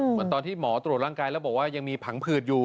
เหมือนตอนที่หมอตรวจร่างกายแล้วบอกว่ายังมีผังผืดอยู่